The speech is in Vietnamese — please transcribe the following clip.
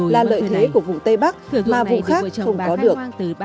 là lợi thế của vùng tây bắc mà vùng khác